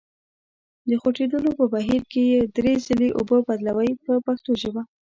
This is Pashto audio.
د خوټېدلو په بهیر کې یې درې ځلې اوبه بدلوئ په پښتو ژبه.